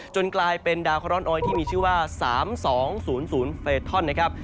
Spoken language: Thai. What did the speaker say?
กลายเป็นดาวคาร้อนออยที่มีชื่อว่า๓๒๐๐เฟทอนนะครับ